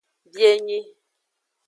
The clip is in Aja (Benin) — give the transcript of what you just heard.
Bienyi.